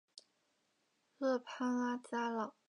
勒潘拉加朗。